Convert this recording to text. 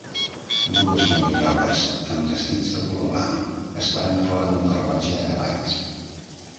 Dues noies joves amb vestits de color blanc esperant fora d"un carruatge de cavalls.